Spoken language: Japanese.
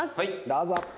どうぞ。